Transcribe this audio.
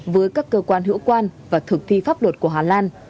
với các cơ quan hữu quan và thực thi pháp luật của hà lan